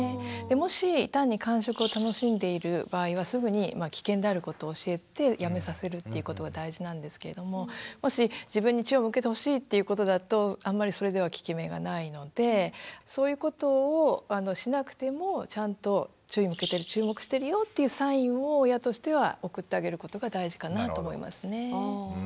もし単に感触を楽しんでいる場合はすぐに危険であることを教えてやめさせるっていうことが大事なんですけれどももし自分に注意を向けてほしいっていうことだとあんまりそれでは効き目がないのでそういうことをしなくてもちゃんと注目してるよっていうサインを親としては送ってあげることが大事かなと思いますね。